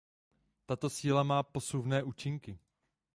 Tato síla má posuvné účinky.